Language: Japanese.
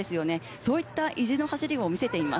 そういった意地の走りを見せています。